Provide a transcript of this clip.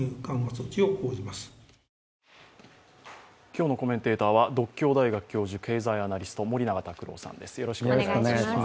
今日のコメンテーターは獨協大学教授、経済アナリスト森永卓郎さんです。